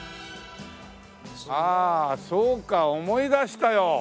ああそうか思い出したよ。